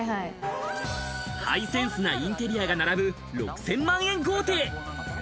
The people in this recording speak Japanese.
ハイセンスなインテリアが並ぶ６０００万円豪邸。